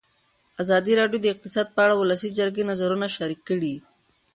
ازادي راډیو د اقتصاد په اړه د ولسي جرګې نظرونه شریک کړي.